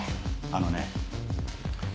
あのね。